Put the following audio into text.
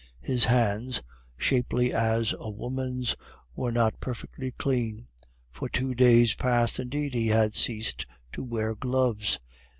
His hands, shapely as a woman's were not perfectly clean; for two days past indeed he had ceased to wear gloves.